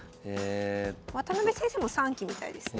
渡辺先生も３期みたいですね。